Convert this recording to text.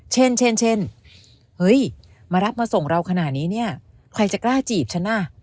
เช่นเช่นเฮ้ยมารับมาส่งเราขนาดนี้เนี่ยใครจะกล้าจีบฉันน่ะ